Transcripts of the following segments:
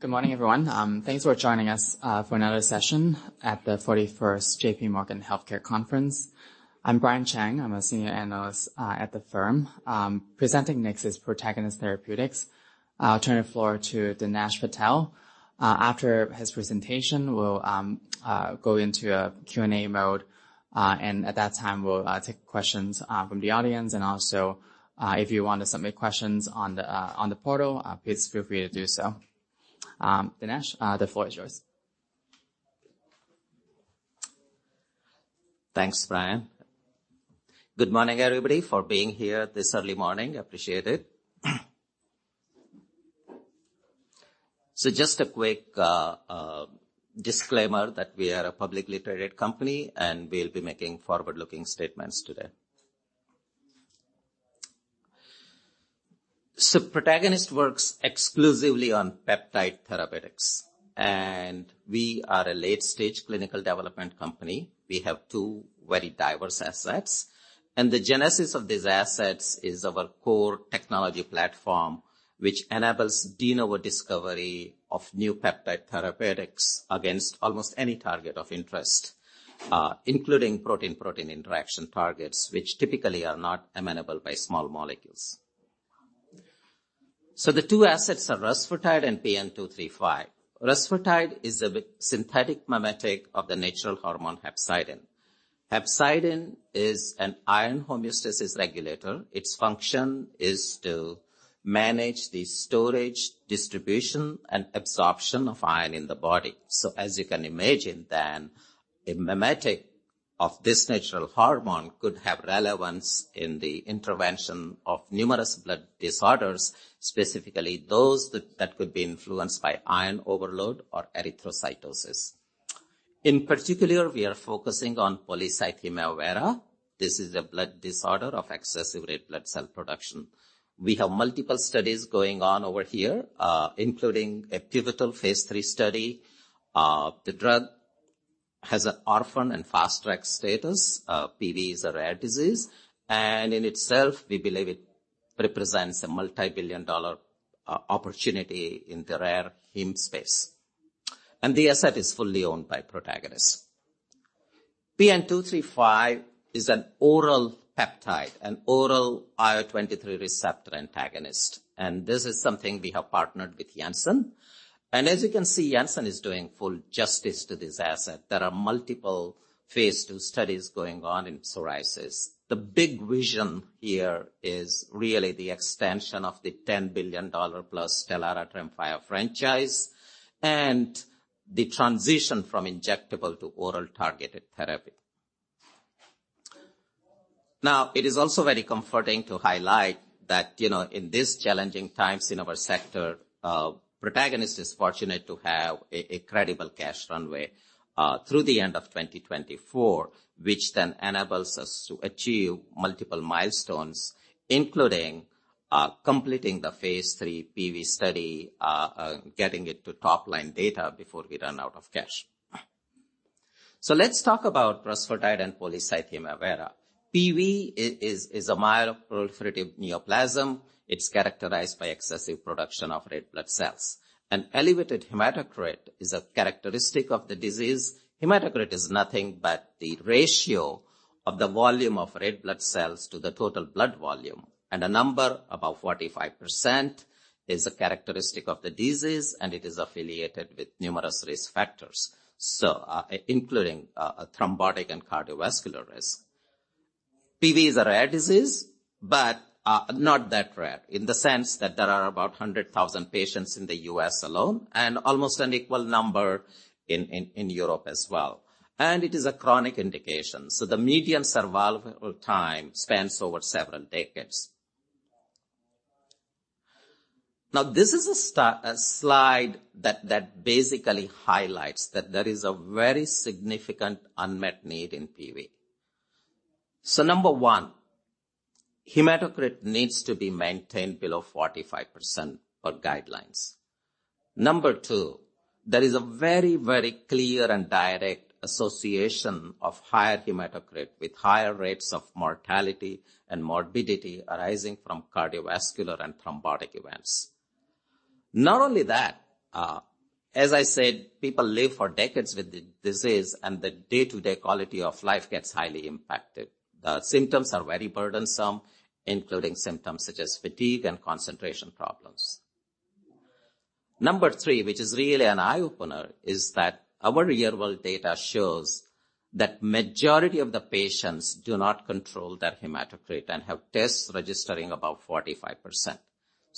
Good morning, everyone. Thanks for joining us for another session at the 41st J.P. Morgan Healthcare Conference. I'm Brian Cheng. I'm a senior analyst at the firm. Presenting next is Protagonist Therapeutics. I'll turn the floor to Dinesh Patel. After his presentation, we'll go into a Q&A mode. At that time, we'll take questions from the audience. Also, if you want to submit questions on the portal, please feel free to do so. Dinesh, the floor is yours. Thanks, Brian. Good morning, everybody, for being here this early morning. Appreciate it. Just a quick disclaimer that we are a publicly traded company, and we'll be making forward-looking statements today. Protagonist works exclusively on peptide therapeutics, and we are a late-stage clinical development company. We have two very diverse assets, and the genesis of these assets is our core technology platform, which enables de novo discovery of new peptide therapeutics against almost any target of interest, including protein-protein interaction targets, which typically are not amenable by small molecules. The two assets are Rusfertide and PN-235. Rusfertide is a synthetic mimetic of the natural hormone hepcidin. Hepcidin is an iron homeostasis regulator. Its function is to manage the storage, distribution, and absorption of iron in the body. As you can imagine, a mimetic of this natural hormone could have relevance in the intervention of numerous blood disorders, specifically those that could be influenced by iron overload or erythrocytosis. In particular, we are focusing on polycythemia vera. This is a blood disorder of excessive red blood cell production. We have multiple studies going on over here, including a pivotal phase III study. The drug has an Orphan and Fast Track status. PV is a rare disease, and in itself, we believe it represents a multi-billion dollar opportunity in the rare heme space. The asset is fully owned by Protagonist. PN-235 is an oral peptide, an oral IL-23 receptor antagonist, and this is something we have partnered with Janssen. As you can see, Janssen is doing full justice to this asset. There are multiple phase II studies going on in psoriasis. The big vision here is really the extension of the $10+ billion STELARA TREMFYA franchise and the transition from injectable to oral targeted therapy. It is also very comforting to highlight that, you know, in these challenging times in our sector, Protagonist is fortunate to have a credible cash runway through the end of 2024, which then enables us to achieve multiple milestones, including completing the phase III PV study, getting it to top-line data before we run out of cash. Let's talk about Rusfertide and polycythemia vera. PV is a myeloproliferative neoplasm. It's characterized by excessive production of red blood cells. An elevated hematocrit is a characteristic of the disease. Hematocrit is nothing but the ratio of the volume of red blood cells to the total blood volume. A number above 45% is a characteristic of the disease, and it is affiliated with numerous risk factors, so including a thrombotic and cardiovascular risk. PV is a rare disease, but not that rare in the sense that there are about 100,000 patients in the U.S. alone and almost an equal number in Europe as well. It is a chronic indication, so the median survival time spans over several decades. This is a slide that basically highlights that there is a very significant unmet need in PV. Number one, hematocrit needs to be maintained below 45% per guidelines. Number two, there is a very, very clear and direct association of higher hematocrit with higher rates of mortality and morbidity arising from cardiovascular and thrombotic events. Not only that, as I said, people live for decades with the disease, and the day-to-day quality of life gets highly impacted. The symptoms are very burdensome, including symptoms such as fatigue and concentration problems. Number three, which is really an eye-opener, is that our real-world data shows that majority of the patients do not control their hematocrit and have tests registering above 45%.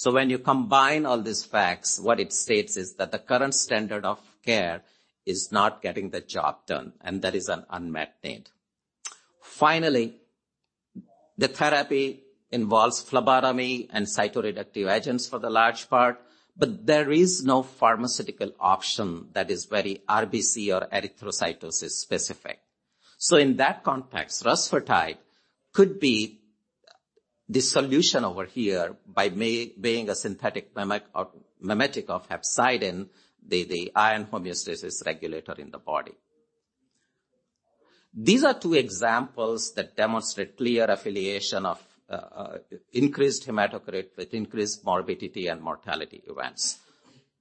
When you combine all these facts, what it states is that the current standard of care is not getting the job done, and there is an unmet need. Finally, the therapy involves phlebotomy and cytoreductive agents for the large part, but there is no pharmaceutical option that is very RBC or erythrocytosis specific. In that context, Rusfertide could be the solution over here by being a synthetic mimetic of hepcidin, the iron homeostasis regulator in the body. These are two examples that demonstrate clear affiliation of increased hematocrit with increased morbidity and mortality events.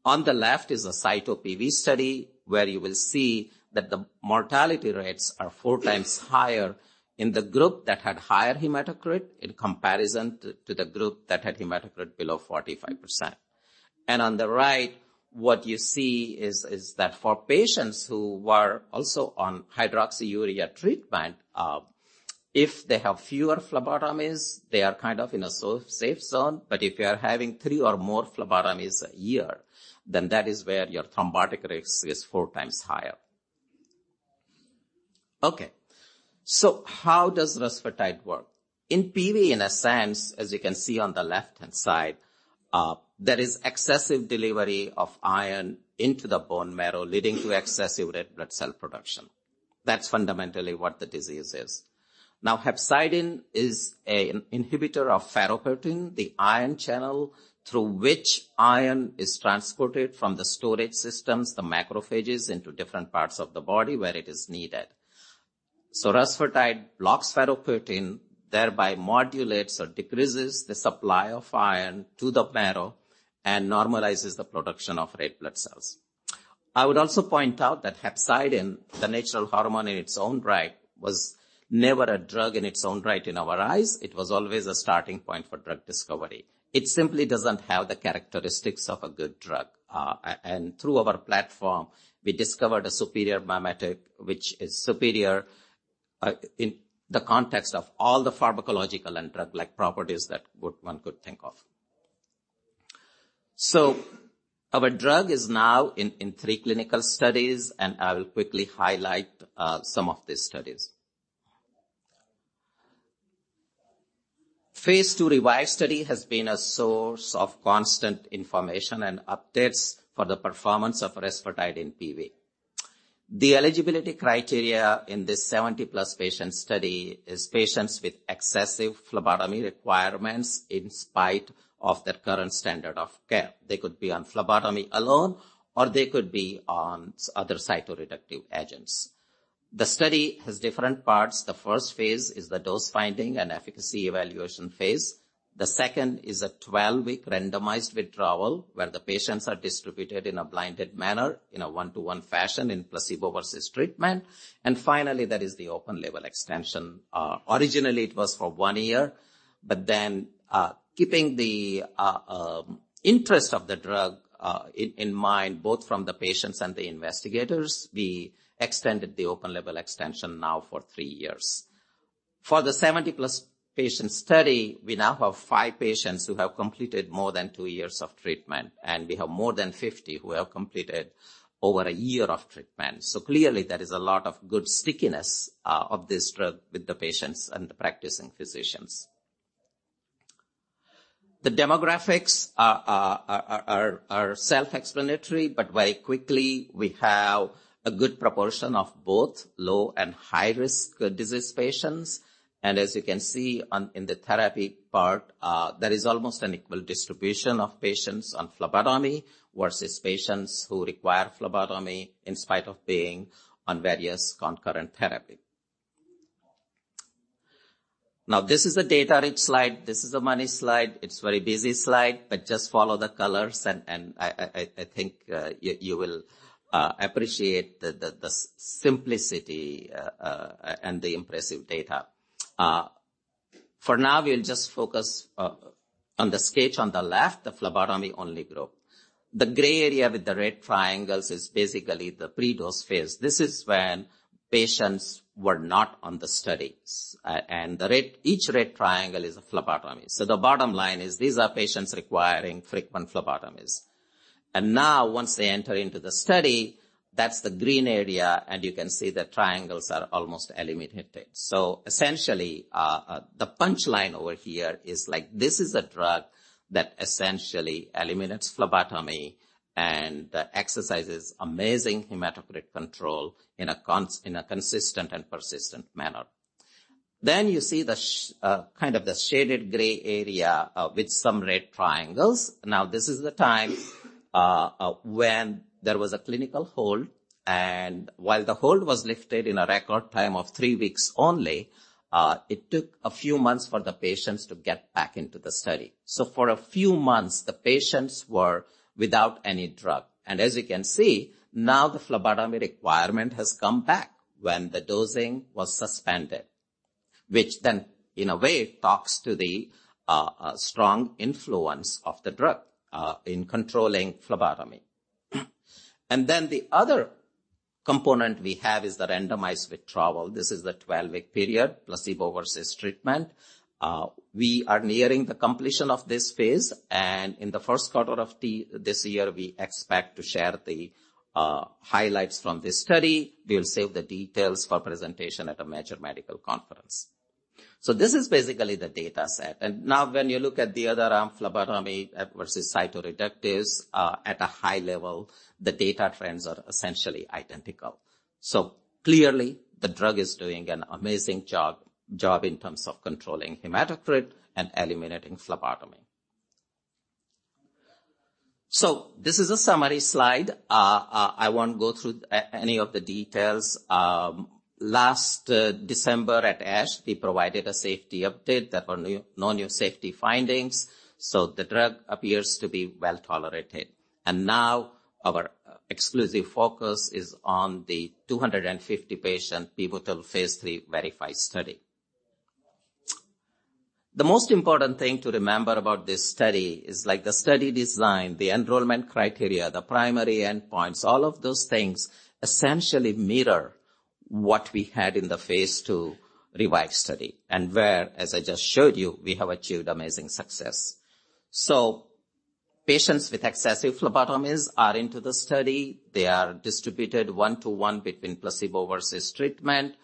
On the left is a CYTO-PV study where you will see that the mortality rates are four times higher in the group that had higher hematocrit in comparison to the group that had hematocrit below 45%. On the right, what you see is that for patients who were also on hydroxyurea treatment, if they have fewer phlebotomies, they are kind of in a so-safe zone. If you are having three or more phlebotomies a year, then that is where your thrombotic risk is four times higher. How does Rusfertide work? In PV, in a sense, as you can see on the left-hand side, there is excessive delivery of iron into the bone marrow, leading to excessive red blood cell production. That's fundamentally what the disease is. Hepcidin is a inhibitor of ferroportin, the iron channel through which iron is transported from the storage systems, the macrophages, into different parts of the body where it is needed. Rusfertide blocks ferroportin, thereby modulates or decreases the supply of iron to the marrow and normalizes the production of red blood cells. I would also point out that hepcidin, the natural hormone in its own right, was never a drug in its own right in our eyes. It was always a starting point for drug discovery. It simply doesn't have the characteristics of a good drug. Through our platform, we discovered a superior mimetic, which is superior in the context of all the pharmacological and drug-like properties that one could think of. Our drug is now in 3 clinical studies, and I will quickly highlight some of these studies. Phase II REVIVE study has been a source of constant information and updates for the performance of Rusfertide in PV. The eligibility criteria in this 70+ patient study is patients with excessive phlebotomy requirements in spite of their current standard of care. They could be on phlebotomy alone, or they could be on other cytoreductive agents. The study has different parts. The first phase is the dose-finding and efficacy evaluation phase. The second is a 12-week randomized withdrawal, where the patients are distributed in a blinded manner in a 1-to-1 fashion in placebo versus treatment. Finally, there is the open-label extension. Originally it was for one year, then, keeping the interest of the drug, in mind, both from the patients and the investigators, we extended the open-label extension now for three years. For the 70+ patient study, we now have five patients who have completed more than two years of treatment, and we have more than 50 who have completed over a year of treatment. Clearly there is a lot of good stickiness, of this drug with the patients and the practicing physicians. The demographics are self-explanatory, very quickly, we have a good proportion of both low and high-risk disease patients. As you can see on... in the therapy part, there is almost an equal distribution of patients on phlebotomy versus patients who require phlebotomy in spite of being on various concurrent therapy. This is a data-rich slide. This is a money slide. It's a very busy slide, but just follow the colors, and I think you will appreciate the simplicity and the impressive data. For now, we'll just focus on the sketch on the left, the phlebotomy-only group. The gray area with the red triangles is basically the pre-dose phase. This is when patients were not on the studies. Each red triangle is a phlebotomy. The bottom line is these are patients requiring frequent phlebotomies. Now, once they enter into the study, that's the green area, and you can see the triangles are almost eliminated. Essentially, the punchline over here is, like, this is a drug that essentially eliminates phlebotomy and exercises amazing hematocrit control in a consistent and persistent manner. You see the kind of the shaded gray area with some red triangles. This is the time when there was a clinical hold, and while the hold was lifted in a record time of three weeks only, it took a few months for the patients to get back into the study. For a few months, the patients were without any drug. As you can see, now the phlebotomy requirement has come back when the dosing was suspended, which then, in a way, talks to the strong influence of the drug in controlling phlebotomy. The other component we have is the randomized withdrawal. This is the 12-week period, placebo versus treatment. We are nearing the completion of this phase, and in the first quarter of this year, we expect to share the highlights from this study. We'll save the details for presentation at a major medical conference. This is basically the dataset. Now when you look at the other arm, phlebotomy at versus cytoreductives, at a high level, the data trends are essentially identical. Clearly the drug is doing an amazing job in terms of controlling hematocrit and eliminating phlebotomy. This is a summary slide. I won't go through any of the details. Last December at ASH, we provided a safety update that only no new safety findings. The drug appears to be well-tolerated. Now our exclusive focus is on the 250 patient pivotal phase III VERIFY study. The most important thing to remember about this study is like the study design, the enrollment criteria, the primary endpoints, all of those things essentially mirror what we had in the phase II REVIVE study, and where, as I just showed you, we have achieved amazing success. Patients with excessive phlebotomies are into the study. They are distributed 1-to-1 between placebo versus treatment.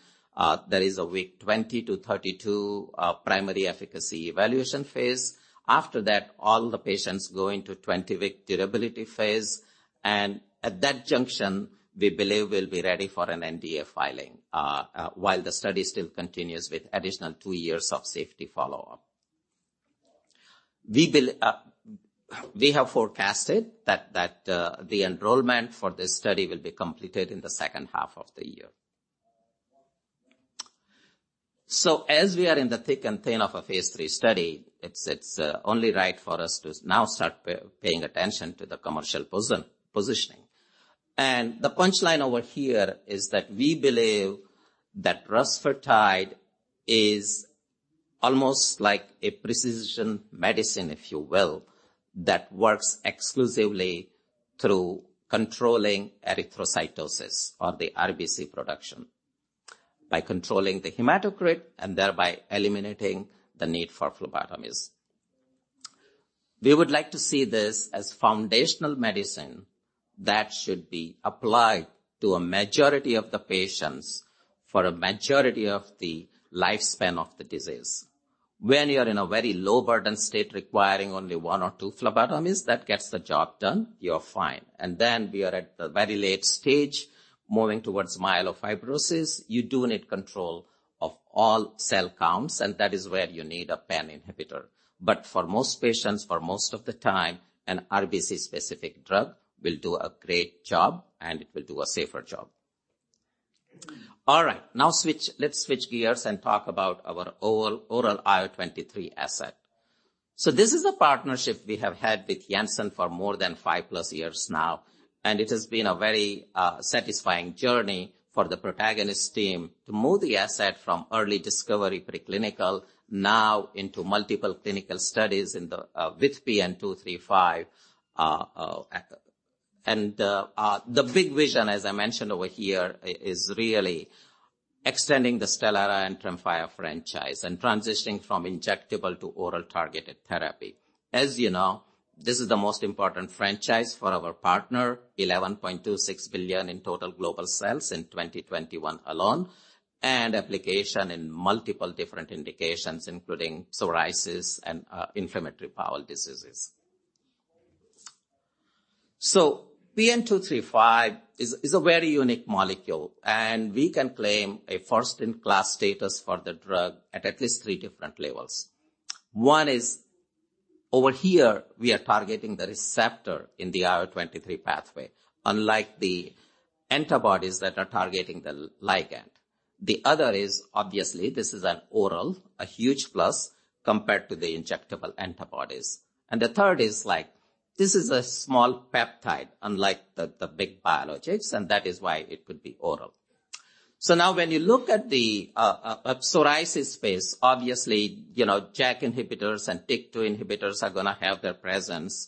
There is a week 20-32 primary efficacy evaluation phase. After that, all the patients go into 20-week durability phase, and at that junction, we believe we'll be ready for an NDA filing while the study still continues with additional two years of safety follow-up. We have forecasted that, the enrollment for this study will be completed in the second half of the year. As we are in the thick and thin of a phase III study, it's only right for us to now start paying attention to the commercial positioning. The punchline over here is that we believe that Rusfertide is almost like a precision medicine, if you will, that works exclusively through controlling erythrocytosis or the RBC production, by controlling the hematocrit and thereby eliminating the need for phlebotomies. We would like to see this as foundational medicine that should be applied to a majority of the patients for a majority of the lifespan of the disease. When you're in a very low-burden state requiring only one or two phlebotomies, that gets the job done, you're fine. Then we are at the very late stage, moving towards myelofibrosis, you do need control of all cell counts, and that is where you need a pan inhibitor. For most patients, for most of the time, an RBC-specific drug will do a great job, and it will do a safer job. All right. Now let's switch gears and talk about our oral IL-23 asset. This is a partnership we have had with Janssen for more than 5+ years now, and it has been a very satisfying journey for the Protagonist team to move the asset from early discovery preclinical now into multiple clinical studies in the with PN-235. The big vision, as I mentioned over here, is really extending the STELARA and TREMFYA franchise and transitioning from injectable to oral-targeted therapy. As you know, this is the most important franchise for our partner, $11.26 billion in total global sales in 2021 alone, and application in multiple different indications, including psoriasis and inflammatory bowel diseases. PN-235 is a very unique molecule, and we can claim a first-in-class status for the drug at least three different levels. One is over here, we are targeting the receptor in the IL-23 pathway, unlike the antibodies that are targeting the ligand. The other is, obviously, this is an oral, a huge plus compared to the injectable antibodies. The third is like, this is a small peptide, unlike the big biologics, and that is why it could be oral. Now when you look at the psoriasis space, obviously, you know, JAK inhibitors and TYK2 inhibitors are gonna have their presence.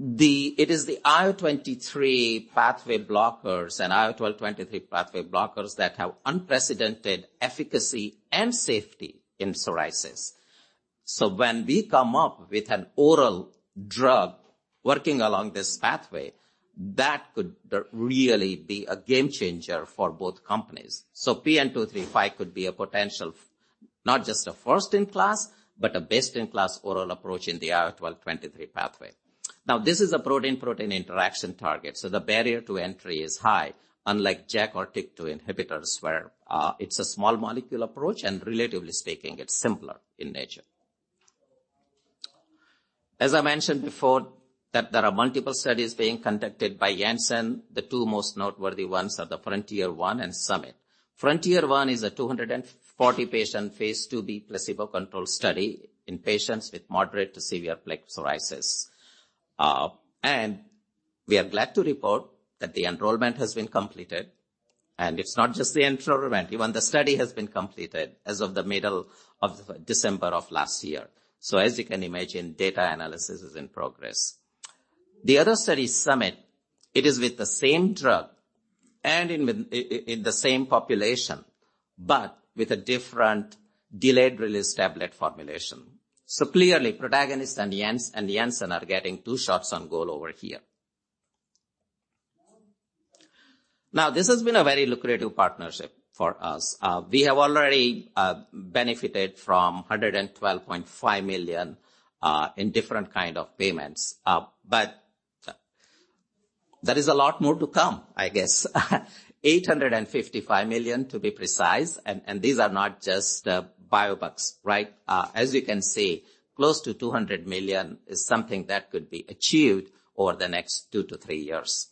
It is the IL-23 pathway blockers and IL-12/23 pathway blockers that have unprecedented efficacy and safety in psoriasis. When we come up with an oral drug working along this pathway, that could really be a game changer for both companies. PN-235 could be a potential, not just a first in class, but a best in class oral approach in the IL-12/23 pathway. This is a protein-protein interaction target, the barrier to entry is high, unlike JAK or TYK2 inhibitors, where it's a small molecule approach, and relatively speaking, it's simpler in nature. As I mentioned before, that there are multiple studies being conducted by Janssen. The two most noteworthy ones are the FRONTIER 1 and SUMMIT. FRONTIER 1 is a 240 patient Phase IIb placebo-controlled study in patients with moderate to severe plaque psoriasis. We are glad to report that the enrollment has been completed. It's not just the enrollment, even the study has been completed as of the middle of December of last year. As you can imagine, data analysis is in progress. The other study, Summit, it is with the same drug and in the same population, but with a different delayed-release tablet formulation. Clearly, Protagonist and Janssen are getting two shots on goal over here. This has been a very lucrative partnership for us. We have already benefited from $112.5 million in different kind of payments. There is a lot more to come, I guess. $855 million to be precise, and these are not just biobucks, right? As you can see, close to $200 million is something that could be achieved over the next 2-3 years.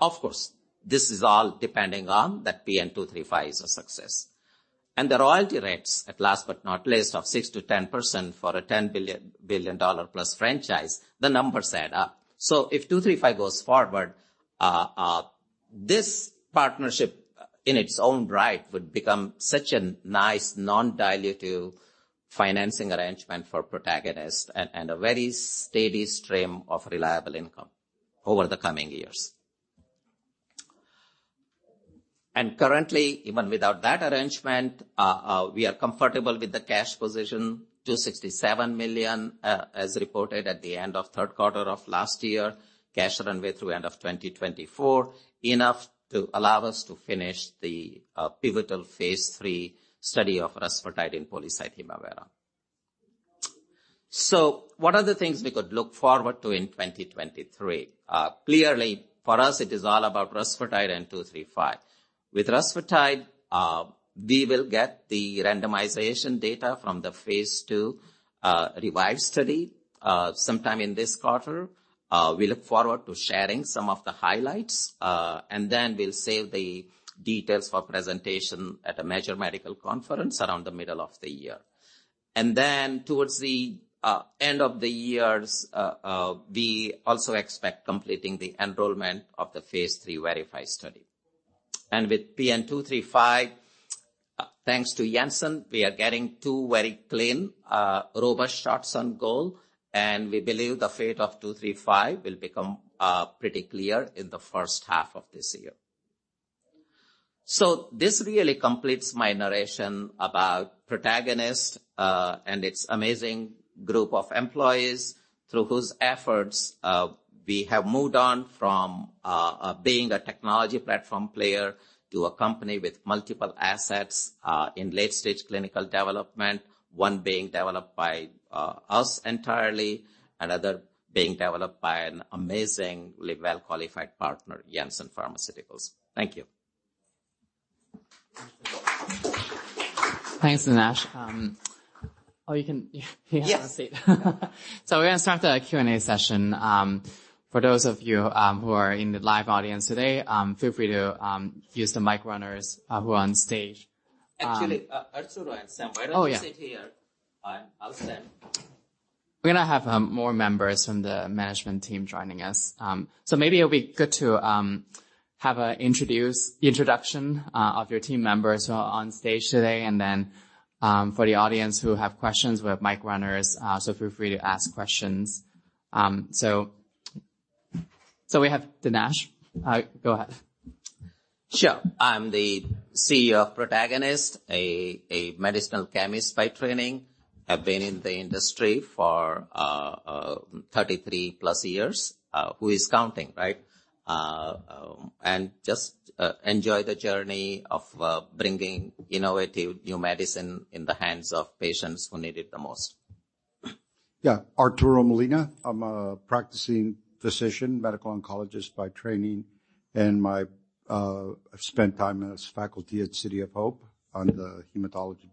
Of course, this is all depending on that PN-235 is a success. The royalty rates, at last but not least, of 6%-10% for a $10+ billion dollar franchise, the numbers add up. If 235 goes forward, this partnership in its own right would become such a nice non-dilutive financing arrangement for Protagonist and a very steady stream of reliable income over the coming years. Currently, even without that arrangement, we are comfortable with the cash position, $267 million, as reported at the end of third quarter of last year, cash runway through end of 2024, enough to allow us to finish the pivotal phase III study of Rusfertide in polycythemia vera. What are the things we could look forward to in 2023? Clearly, for us, it is all about Rusfertide and PN-235. With Rusfertide, we will get the randomization data from the phase II REVIVE study, sometime in this quarter. We look forward to sharing some of the highlights, and then we'll save the details for presentation at a major medical conference around the middle of the year. Towards the end of the years, we also expect completing the enrollment of the Phase III VERIFY study. With PN-235, thanks to Janssen, we are getting two very clean, robust shots on goal, and we believe the fate of 235 will become pretty clear in the first half of this year. This really completes my narration about Protagonist and its amazing group of employees through whose efforts, we have moved on from being a technology platform player to a company with multiple assets in late-stage clinical development, one being developed by us entirely, another being developed by an amazingly well-qualified partner, Janssen Pharmaceuticals. Thank you. Thanks, Dinesh. Oh, you can... Yes. You have a seat. We're gonna start the Q&A session. For those of you who are in the live audience today, feel free to use the mic runners who are on stage. Actually, Arturo and Sam- Oh, yeah. Why don't you sit here? I'll stand. We're gonna have more members from the management team joining us. Maybe it'll be good to have an introduction of your team members who are on stage today, and then, for the audience who have questions, we have mic runners, so feel free to ask questions. We have Dinesh. Go ahead. Sure. I'm the CEO of Protagonist, a medicinal chemist by training. I've been in the industry for 33+ years. Who is counting, right? Just enjoy the journey of bringing innovative new medicine in the hands of patients who need it the most. Yeah. Arturo Molina. I'm a practicing physician, medical oncologist by training. I've spent time as faculty at City of Hope on the hematology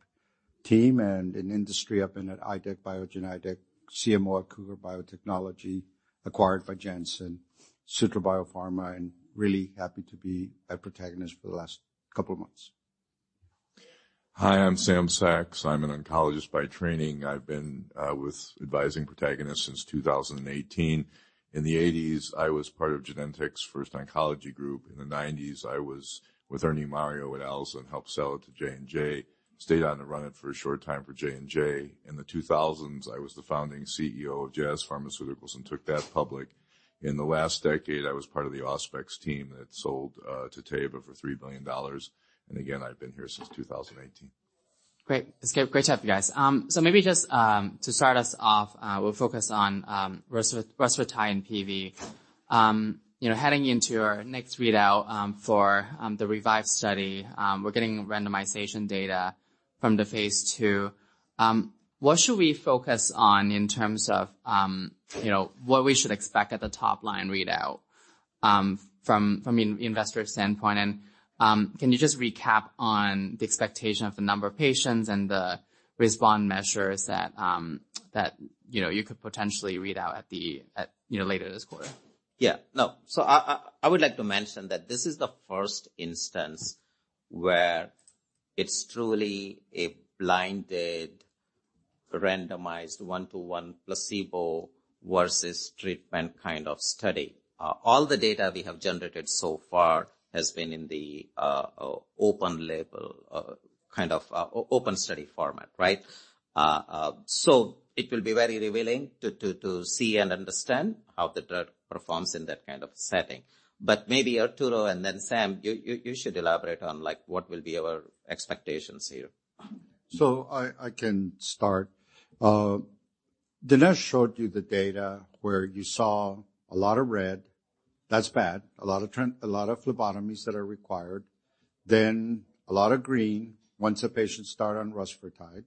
team and in industry at IDEC Pharmaceuticals, CMO at Cougar Biotechnology, acquired by Janssen, Sutro Biopharma, and really happy to be at Protagonist for the last couple of months. Hi, I'm Sam Saks. I'm an oncologist by training. I've been advising Protagonist since 2018. In the 1880s, I was part of Genentech's first oncology group. In the 1990s, I was with Ernest Mario at Alza, helped sell it to J&J. Stayed on to run it for a short time for J&J. In the 2000s, I was the founding CEO of Jazz Pharmaceuticals and took that public. In the last decade, I was part of the Auspex team that sold to Teva for $3 billion. Again, I've been here since 2018. Great. It's great to have you guys. So maybe just to start us off, we'll focus on Rusfertide and PV. You know, heading into our next readout, for the REVIVE study, we're getting randomization data from the phase II. What should we focus on in terms of, you know, what we should expect at the top line readout, from investor standpoint? Can you just recap on the expectation of the number of patients and the respond measures that, you know, you could potentially read out at, you know, later this quarter? No. I would like to mention that this is the first instance where it's truly a blinded randomized one-to-one placebo versus treatment kind of study. All the data we have generated so far has been in the open-label kind of open study format, right? It will be very revealing to see and understand how the drug performs in that kind of setting. Maybe Arturo and then Sam, you should elaborate on, like, what will be our expectations here. I can start. Dinesh showed you the data where you saw a lot of red. That's bad. A lot of phlebotomies that are required. A lot of green once the patients start on Rusfertide.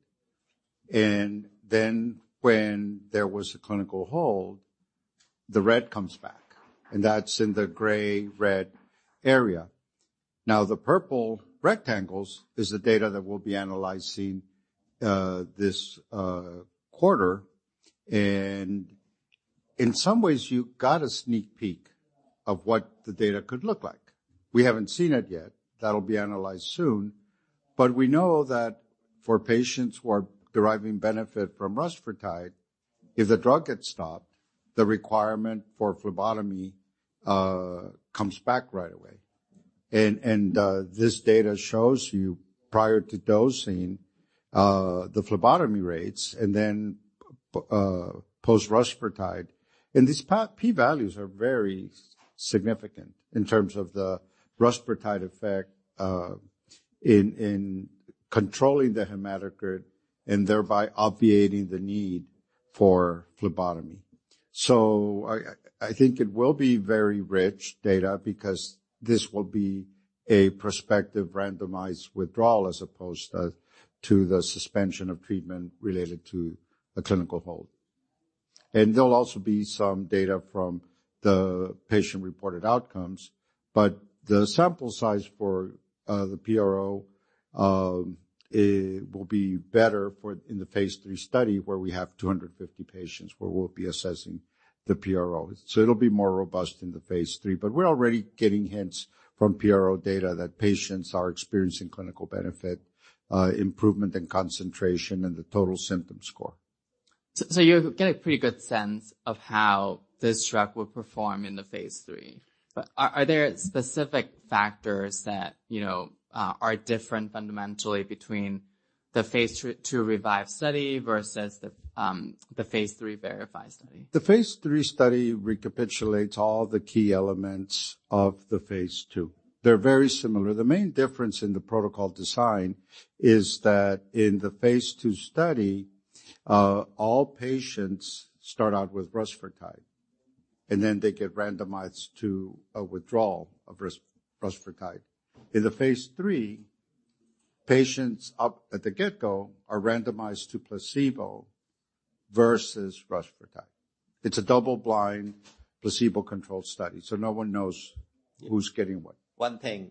When there was a clinical hold, the red comes back, and that's in the gray-red area. The purple rectangles is the data that we'll be analyzing this quarter. In some ways, you got a sneak peek of what the data could look like. We haven't seen it yet. That'll be analyzed soon. We know that for patients who are deriving benefit from Rusfertide, if the drug gets stopped, the requirement for phlebotomy comes back right away. This data shows you prior to dosing, the phlebotomy rates and then post Rusfertide. These P values are very significant in terms of the Rusfertide effect, in controlling the hematocrit and thereby obviating the need for phlebotomy. I think it will be very rich data because this will be a prospective randomized withdrawal as opposed to the suspension of treatment related to a clinical hold. There'll also be some data from the patient-reported outcomes, but the sample size for the PRO, it will be better in the phase III study where we have 250 patients where we'll be assessing the PRO. It'll be more robust in the phase III, but we're already getting hints from PRO data that patients are experiencing clinical benefit, improvement in concentration and the total symptom score. You get a pretty good sense of how this drug will perform in the Phase III. Are there specific factors that, you know, are different fundamentally between the Phase II REVIVE study versus the Phase III VERIFY study? The Phase III study recapitulates all the key elements of the Phase II. They're very similar. The main difference in the protocol design is that in the Phase II study, all patients start out with Rusfertide, and then they get randomized to a withdrawal of Rusfertide. In the Phase III, patients up at the get-go are randomized to placebo versus Rusfertide. It's a double-blind, placebo-controlled study, so no one knows who's getting what. One thing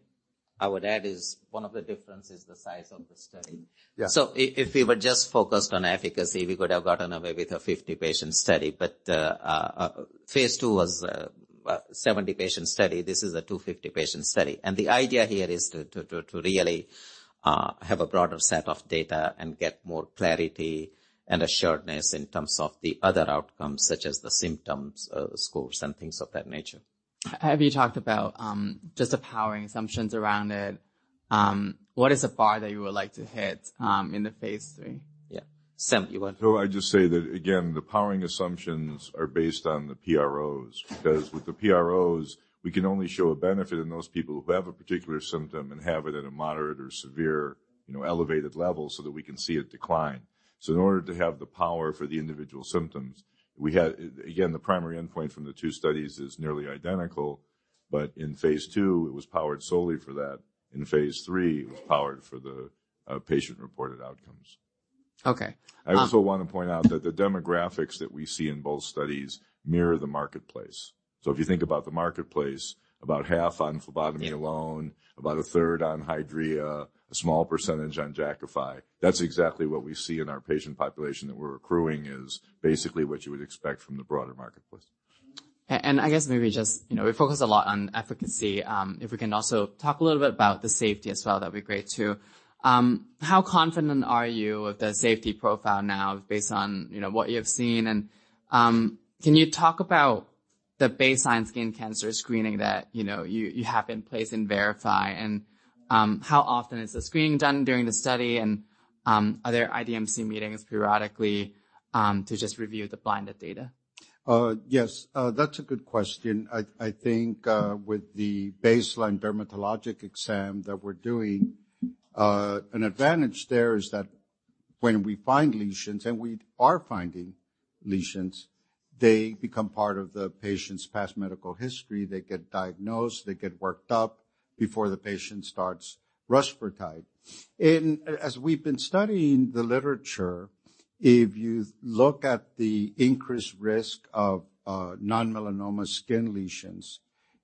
I would add is one of the difference is the size of the study. Yeah. If we were just focused on efficacy, we could have gotten away with a 50-patient study. Phase II was a 70-patient study. This is a 250-patient study. The idea here is to really have a broader set of data and get more clarity and assuredness in terms of the other outcomes, such as the symptoms scores, and things of that nature. Have you talked about, just the powering assumptions around it? What is the bar that you would like to hit, in the phase III? Yeah. Sam, you want to? No, I'd just say that again, the powering assumptions are based on the PROs, because with the PROs, we can only show a benefit in those people who have a particular symptom and have it at a moderate or severe, you know, elevated level so that we can see it decline. Again, the primary endpoint from the two studies is nearly identical, but in phase II, it was powered solely for that. In phase III, it was powered for the patient-reported outcomes. Okay. I also want to point out that the demographics that we see in both studies mirror the marketplace. If you think about the marketplace, about half on phlebotomy alone, about a third on Hydrea, a small percentage on Jakafi. That's exactly what we see in our patient population that we're accruing, is basically what you would expect from the broader marketplace. I guess maybe just, you know, we focused a lot on efficacy. If we can also talk a little bit about the safety as well, that'd be great too. How confident are you of the safety profile now based on, you know, what you have seen? Can you talk about the baseline skin cancer screening that, you know, you have in place in VERIFY? How often is the screening done during the study? Are there IDMC meetings periodically to just review the blinded data? Yes. That's a good question. I think, with the baseline dermatologic exam that we're doing, an advantage there is that when we find lesions, and we are finding lesions, they become part of the patient's past medical history. They get diagnosed, they get worked up before the patient starts Rusfertide. As we've been studying the literature, if you look at the increased risk of non-melanoma skin lesions,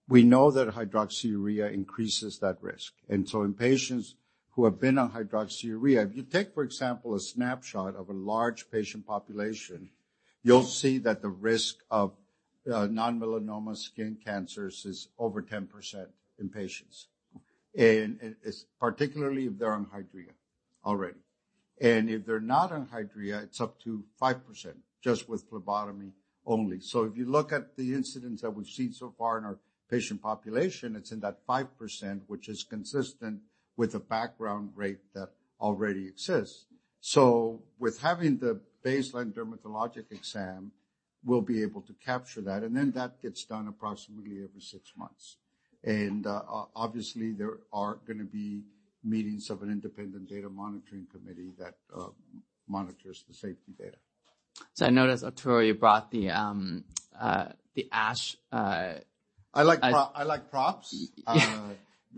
we know that hydroxyurea increases that risk. In patients who have been on hydroxyurea, if you take, for example, a snapshot of a large patient population, you'll see that the risk of non-melanoma skin cancers is over 10% in patients. It's particularly if they're on Hydrea already. If they're not on Hydrea, it's up to 5% just with phlebotomy only. If you look at the incidents that we've seen so far in our patient population, it's in that 5%, which is consistent with the background rate that already exists. With having the baseline dermatologic exam, we'll be able to capture that. That gets done approximately every six months. Obviously, there are gonna be meetings of an independent data monitoring committee that monitors the safety data. I notice, Arturo, you brought the ASH. I like props. Yeah.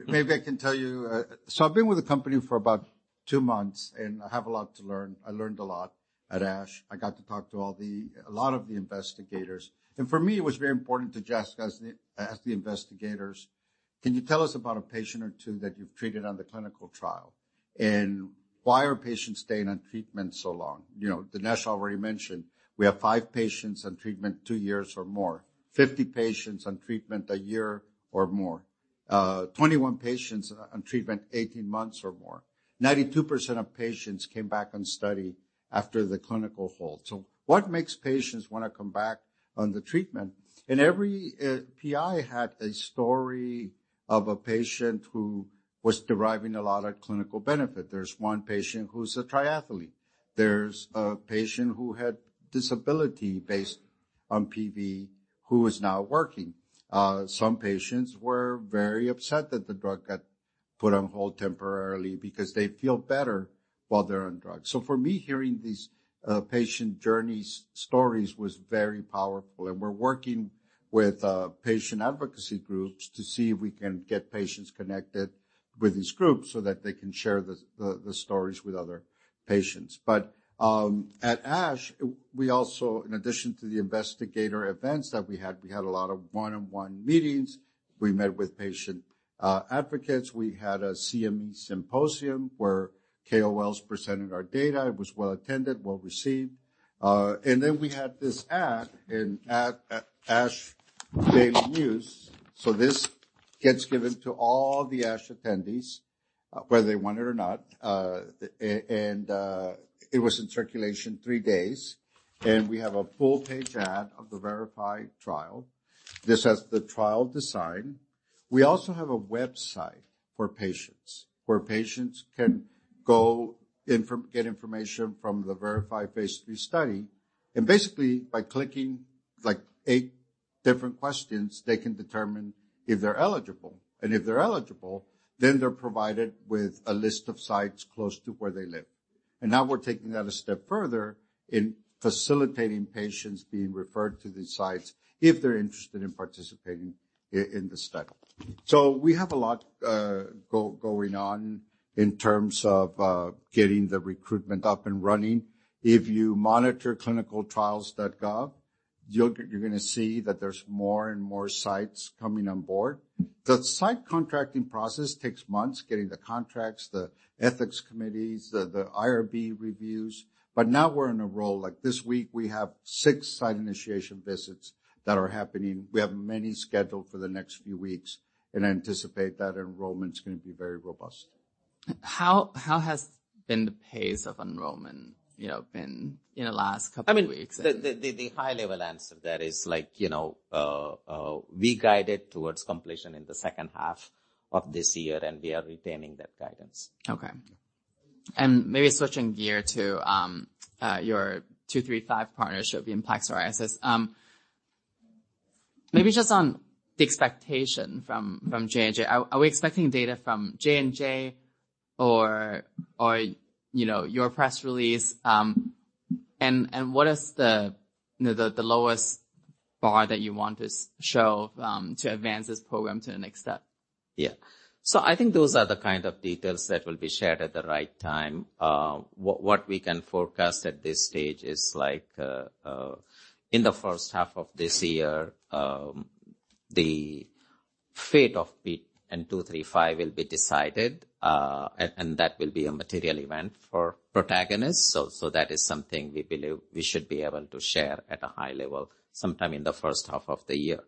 Maybe I can tell you. I've been with the company for about two months, and I have a lot to learn. I learned a lot at ASH. I got to talk to a lot of the investigators. For me, it was very important to just ask the investigators, "Can you tell us about a patient or two that you've treated on the clinical trial? Why are patients staying on treatment so long?" You know, Dinesh already mentioned we have five patients on treatment two years or more. 50 patients on treatment a year or more. 21 patients on treatment 18 months or more. 92% of patients came back on study after the clinical hold. What makes patients wanna come back on the treatment? Every PI had a story of a patient who was deriving a lot of clinical benefit. There's one patient who's a triathlete. There's a patient who had disability based on PV who is now working. Some patients were very upset that the drug got put on hold temporarily because they feel better while they're on drugs. For me, hearing these patient journeys stories was very powerful. We're working with patient advocacy groups to see if we can get patients connected with these groups so that they can share the stories with other patients. At ASH, we also, in addition to the investigator events that we had, we had a lot of one-on-one meetings. We met with patient advocates. We had a CME symposium where KOLs presented our data. It was well-attended, well-received. Then we had this ad in ASH News Daily. This gets given to all the ASH attendees, whether they want it or not. It was in circulation three days. We have a full-page ad of the VERIFY trial. This has the trial design. We also have a website for patients, where patients can get information from the VERIFY phase III study. Basically, by clicking like eight different questions, they can determine if they're eligible. If they're eligible, then they're provided with a list of sites close to where they live. Now we're taking that a step further in facilitating patients being referred to these sites if they're interested in participating in the study. We have a lot going on in terms of getting the recruitment up and running. If you monitor ClinicalTrials.gov, you'll, you're gonna see that there's more and more sites coming on board. The site contracting process takes months, getting the contracts, the ethics committees, the IRB reviews, but now we're in a roll. Like, this week, we have six site initiation visits that are happening. We have many scheduled for the next few weeks and anticipate that enrollment's gonna be very robust. How has been the pace of enrollment, you know, been in the last couple of weeks? I mean, the high level answer there is like, you know, we guided towards completion in the second half of this year, and we are retaining that guidance. Okay. Maybe switching gear to your 235 partnership in plaque psoriasis. Maybe just on the expectation from J&J. Are we expecting data from J&J or, you know, your press release? What is the, you know, the lowest bar that you want to show to advance this program to the next step? I think those are the kind of details that will be shared at the right time. What we can forecast at this stage is like, in the first half of this year, the fate of PN-235 will be decided. And that will be a material event for Protagonist. That is something we believe we should be able to share at a high level sometime in the first half of the year.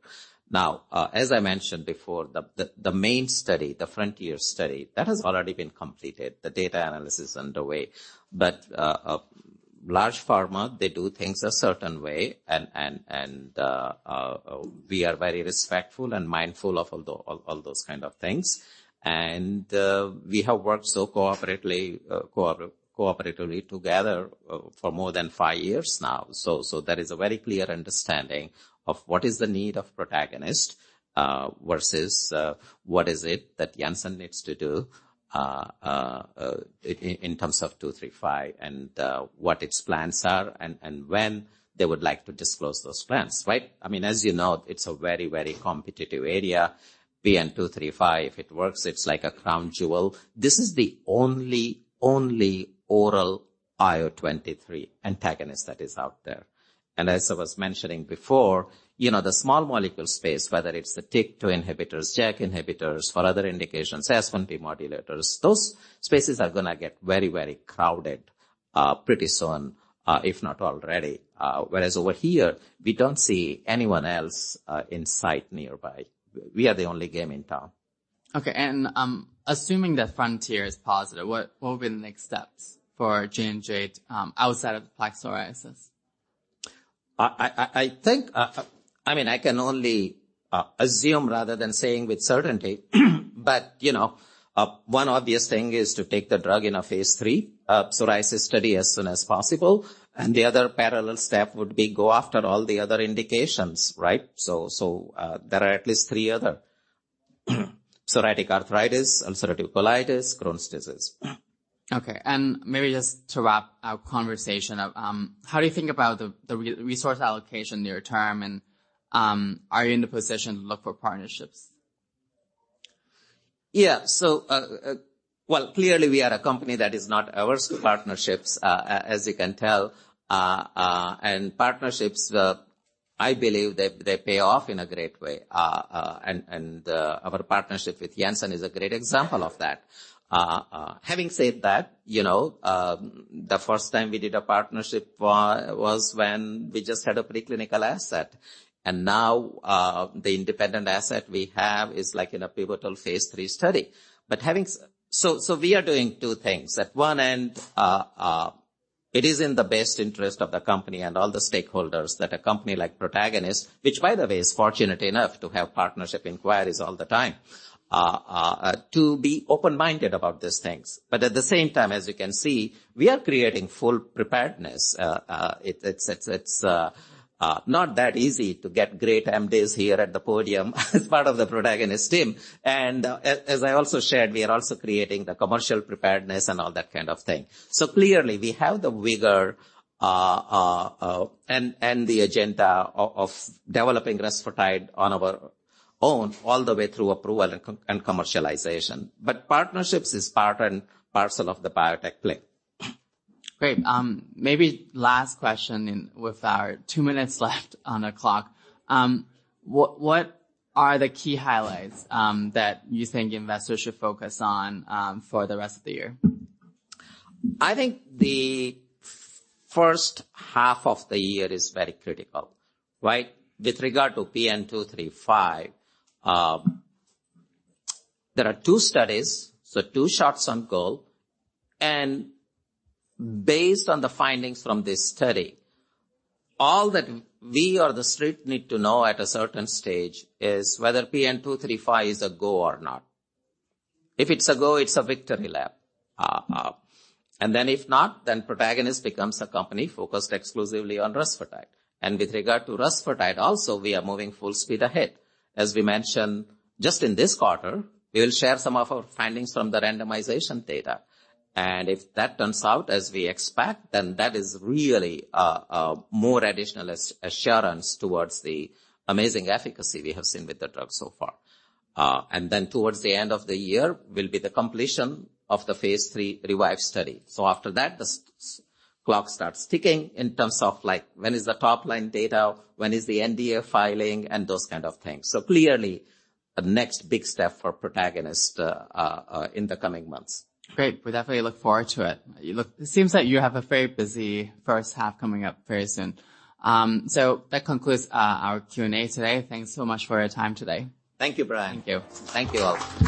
As I mentioned before, the main study, the Frontier study, that has already been completed. The data analysis is underway. Large pharma, they do things a certain way, and we are very respectful and mindful of all those kind of things. We have worked so cooperatively together for more than five years now. There is a very clear understanding of what is the need of Protagonist versus what is it that Janssen needs to do in terms of PN-235, and what its plans are and when they would like to disclose those plans, right? I mean, as you know, it's a very, very competitive area. PN-235, it works. It's like a crown jewel. This is the only oral IL-23 antagonist that is out there. As I was mentioning before, you know, the small molecule space, whether it's the TYK2 inhibitors, JAK inhibitors for other indications, S1P modulators, those spaces are gonna get very, very crowded pretty soon, if not already. Whereas over here, we don't see anyone else, in sight nearby. We are the only game in town. Okay. Assuming that FRONTIER is positive, what will be the next steps for J&J outside of plaque psoriasis? I think, I mean, I can only assume rather than saying with certainty, but, you know, one obvious thing is to take the drug in a phase III psoriasis study as soon as possible. The other parallel step would be go after all the other indications, right? There are at least three other. Psoriatic arthritis, ulcerative colitis, Crohn's disease. Okay. Maybe just to wrap our conversation up, how do you think about the re-resource allocation near term, and, are you in a position to look for partnerships? Yeah. So, well, clearly we are a company that is not averse to partnerships, as you can tell. Partnerships, I believe they pay off in a great way. Our partnership with Janssen is a great example of that. Having said that, you know, the first time we did a partnership was when we just had a preclinical asset. Now, the independent asset we have is like in a pivotal phase III study. Having So, we are doing two things. At one end, it is in the best interest of the company and all the stakeholders that a company like Protagonist, which by the way is fortunate enough to have partnership inquiries all the time, to be open-minded about these things. At the same time, as you can see, we are creating full preparedness. It's not that easy to get great MDs here at the podium as part of the Protagonist team. As I also shared, we are also creating the commercial preparedness and all that kind of thing. Clearly we have the vigor and the agenda of developing Rusfertide on our own all the way through approval and commercialization. Partnerships is part and parcel of the biotech play. Great. Maybe last question with our two minutes left on the clock. What are the key highlights that you think investors should focus on for the rest of the year? I think the first half of the year is very critical, right? With regard to PN-235, there are two studies, so two shots on goal. Based on the findings from this study, all that we or the street need to know at a certain stage is whether PN-235 is a go or not. If it's a go, it's a victory lap. Then if not, Protagonist becomes a company focused exclusively on Rusfertide. With regard to Rusfertide also, we are moving full speed ahead. As we mentioned, just in this quarter, we will share some of our findings from the randomization data. If that turns out as we expect, then that is really a more additional as-assurance towards the amazing efficacy we have seen with the drug so far. Towards the end of the year will be the completion of the phase III REVIVE study. After that, the clock starts ticking in terms of, like, when is the top-line data, when is the NDA filing, and those kind of things. Clearly a next big step for Protagonist in the coming months. Great. We definitely look forward to it. Look, it seems that you have a very busy first half coming up very soon. That concludes our Q&A today. Thanks so much for your time today. Thank you, Brian. Thank you. Thank you all.